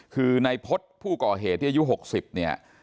คือในพฤษผู้ก่อเหตุที่อายุ๖๐เนี่ย